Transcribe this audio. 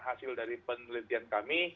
hasil dari penelitian kami